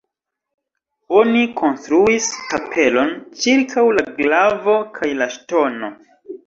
Oni konstruis kapelon ĉirkaŭ la glavo kaj la ŝtono.